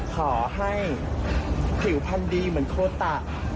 ขอให้ผิวพันธุ์ดีเหมือนโคตะ